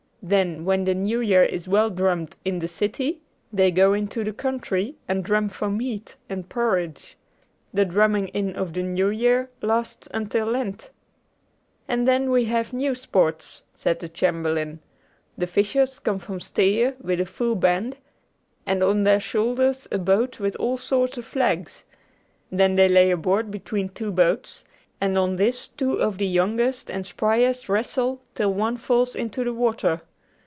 Then when the New Year is well drummed in the city, they go into the country and drum for meat and porridge. The drumming in of the New Year lasts until Lent." "And then we have new sports," said the chamberlain. "The fishers come from Stege with a full band, and on their shoulders a boat with all sorts of flags.... Then they lay a board between two boats, and on this two of the youngest and spryest wrestle till one falls into the water....